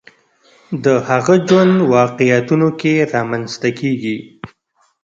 د هغه ژوند واقعیتونو کې رامنځته کېږي